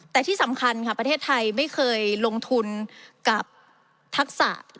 แต่ที่สำคัญค่ะประเทศไทยไม่เคยลงทุนกับทักษะ